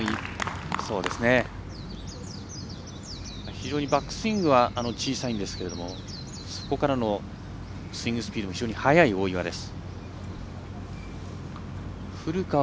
非常にバックスイングは小さいんですけどそこからのスイングスピード非常に速い大岩です。